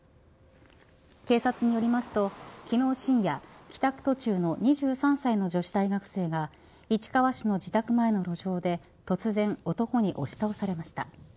警察によりますと昨日深夜、帰宅途中の２３歳の女子大学生が市川市の自宅前の路上で突然男に押し倒されました。